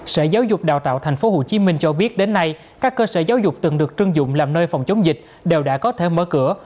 sở giáo dục đào tạo thành phố hồ chí minh cho biết đến nay các cơ sở giáo dục từng được trưng dụng làm nơi phòng chống dịch đều đã có thể mở cửa